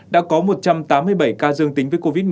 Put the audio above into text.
đã có một trăm tám mươi bảy ca dương tính với covid một mươi chín